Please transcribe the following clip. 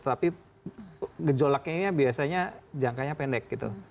tapi gejolaknya biasanya jangkanya pendek gitu